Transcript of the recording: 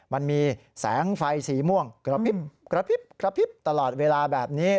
มันมีแสงไฟสีม่วงกระพริบตลอดเวลาแบบนี้